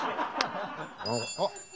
あっ！